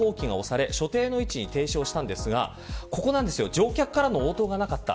乗客からの応答がなかった。